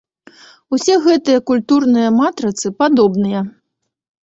Усе гэтыя культурныя матрыцы падобныя.